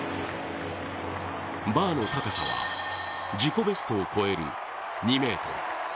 バーの高さは、自己ベストを超える２ｍ。